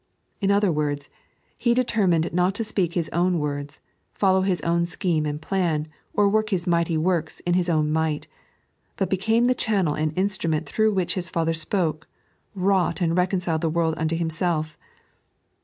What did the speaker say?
In other words, He determined not to speak His own words, follow His own scheme and plan, or work His mighty works in His own might ; but became the channel and instrument through which His Father spoke, wronght, and reconciled the world nnto Himself.